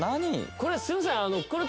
これすいません